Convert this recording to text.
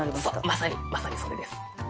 まさにまさにそれです。